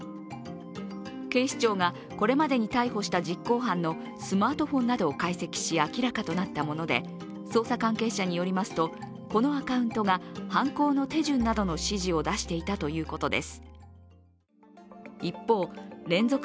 警視庁がこれまでに逮捕した実行犯のスマートフォンなどを解析し明らかとなったもので、捜査関係者によりますと、このアカウントが犯行の手順などの指示を出していたということです。